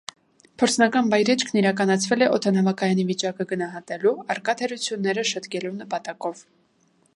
Փորձնական վայրէջքն իրականացվել է օդանավակայանի վիճակը գնահատելու, առկա թերությունները շտկելու նպատակով։